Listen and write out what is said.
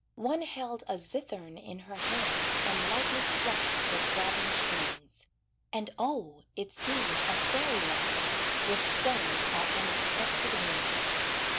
One held a zithern in her hand And lightly swept the throbbing strings; And, O! it seemed a fairy land Was stirred by unexpected wings.